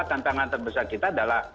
tantangan terbesar kita adalah